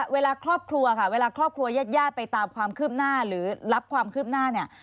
เวลาครอบครัวค่ะเวลาครอบครัวยาดไปตามความคืบหน้าหรือรับความคืบหน้าเนี่ย